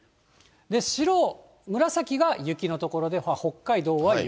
白、紫が雪の所で、北海道は雪。